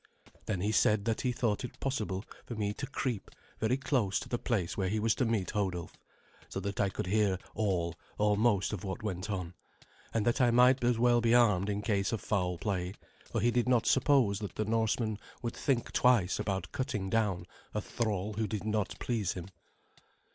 Then he said that he thought it possible for me to creep very close to the place where he was to meet Hodulf, so that I could hear all or most of what went on, and that I might as well be armed in case of foul play, for he did not suppose that the Norseman would think twice about cutting down a thrall who did not please him.